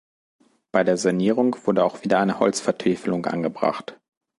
Bei der Sanierung wurde auch wieder eine Holzvertäfelung angebracht.